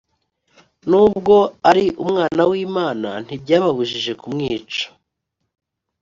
n` ubwo ari umwana w’imana ntibyababujije kumwica